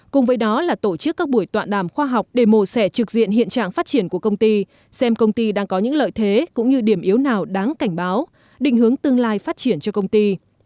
cùng với đó là tổ chức các buổi tọa đàm khoa học để mồ sẻ trực diện hiện trạng phát triển của công ty xem công ty đang có những lợi thế cũng như điểm yếu nào đáng cảnh báo định hướng tương lai phát triển cho công ty